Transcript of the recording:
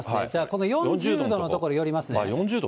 この４０度の所寄りますね。